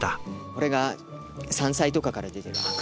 これが山菜とかから出てるあくですね。